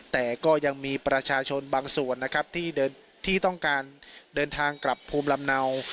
แต่ก็ยังมีประชาชนบางส่วนนะครับที่ต้องการเดินทางกลับภูมิลำเนา